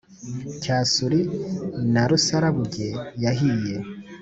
cyasuri na rusarabuge yahiye